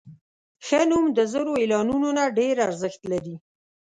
ښه نوم د زرو اعلانونو نه ډېر ارزښت لري.